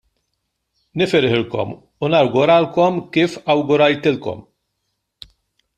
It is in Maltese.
Nifirħilhom u nawguralhom kif awgurajtilhom.